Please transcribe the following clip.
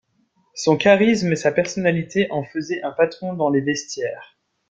Son charisme et sa personnalité en faisait un patron dans les vestiaires.